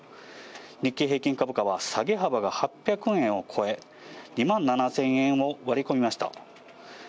日経平均株価は下げ幅が８００円を超え、２万７０００円を割り込みました。